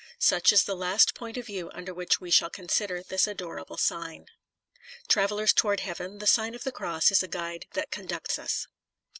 Such is the last point of view under which we shall consider this adorable sign. TRAVELLERS TOWARDS HEAVEN, THE SIGN OF THE CROSS IS A GUIDE THAT CONDUCTS US.